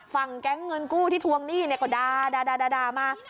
ฝั่งแก๊งเงินกู้ที่ทวงหนี้ก็ดามา